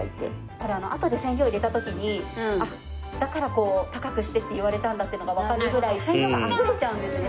これあとで染料を入れた時にだから高くしてって言われたんだっていうのがわかるぐらい染料があふれちゃうんですね